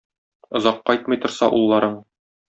Озак кайтмый торса улларың?!